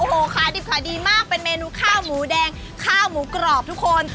โอ้โหขายดิบขายดีมากเป็นเมนูข้าวหมูแดงข้าวหมูกรอบทุกคน